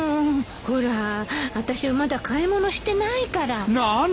ほらあたしはまだ買い物してないから。